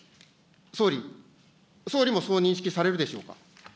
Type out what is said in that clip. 総理、総理もそう認識されるでしょうか。